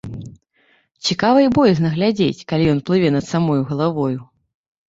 Цікава і боязна глядзець, калі ён плыве над самаю галавою.